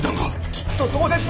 きっとそうです！